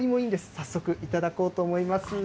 早速、頂こうと思います。